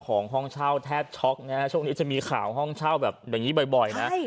ห้องเช่าแทบช็อกนะฮะช่วงนี้จะมีข่าวห้องเช่าแบบอย่างนี้บ่อยนะ